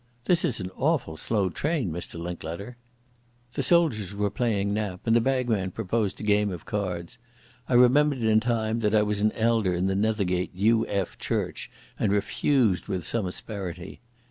This is an awful slow train, Mr Linklater." The soldiers were playing nap, and the bagman proposed a game of cards. I remembered in time that I was an elder in the Nethergate U.F. Church and refused with some asperity.